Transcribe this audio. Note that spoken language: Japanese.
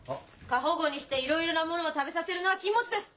過保護にしていろいろなものを食べさせるのは禁物です！